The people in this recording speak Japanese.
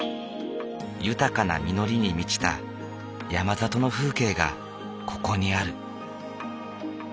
豊かな実りに満ちた山里の風景がここにある。